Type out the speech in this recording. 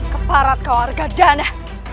keparat kau warga dana